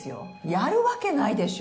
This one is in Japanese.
やるわけないでしょ。